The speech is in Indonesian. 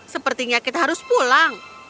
sepertinya kita harus pulang